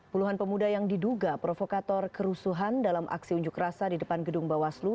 puluhan pemuda yang diduga provokator kerusuhan dalam aksi unjuk rasa di depan gedung bawaslu